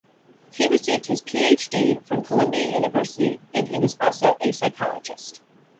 He received his Ph.D. from Columbia University and he was also a psychologist.